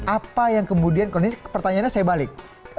apa yang kemudian kalau ini pertanyaannya saya balik